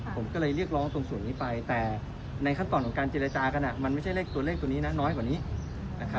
ผมก็เลยเรียกร้องตรงส่วนนี้ไปแต่ในขั้นตอนของการเจรจากันมันไม่ใช่เลขตัวเลขตัวนี้นะน้อยกว่านี้นะครับ